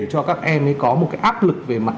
cho các em ấy có một cái áp lực về mặt